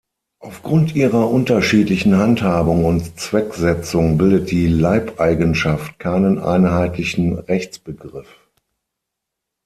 Aufgrund ihrer unterschiedlichen Handhabung und Zwecksetzung bildet die Leibeigenschaft keinen einheitlichen Rechtsbegriff.